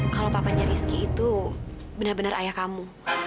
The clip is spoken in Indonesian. kalau papanya rizky itu benar benar ayah kamu